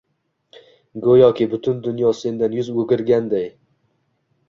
Goʻyoki butun dunyo sendan yuz oʻgirganday.